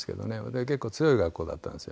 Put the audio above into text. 結構強い学校だったんですよ。